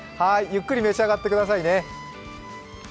ゆっくり召し上がってくださいね。